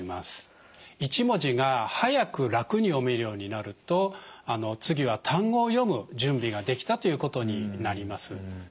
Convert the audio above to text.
１文字が速く楽に読めるようになると次は単語を読む準備ができたということになります。